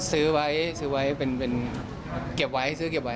ซื้อไว้ซื้อไว้เป็นเก็บไว้ซื้อเก็บไว้